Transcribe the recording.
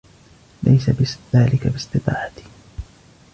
ليس ذلك باستطاعتي.